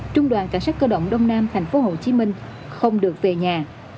trung đoàn cảnh sát cơ động đông nam thành phố hồ chí minh không được về nhà